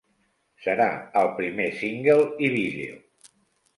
Serà el primer single i vídeo.